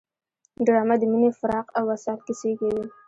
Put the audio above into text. ډرامه د مینې، فراق او وصال کیسې کوي